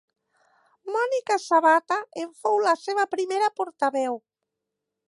Mònica Sabata en fou la seva primera portaveu.